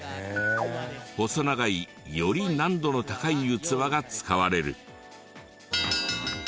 細長いより難度の高い器が使われる。